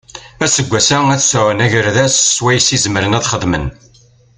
Aseggas-a ad sɛun agerdas swayes i zemren ad xedmen.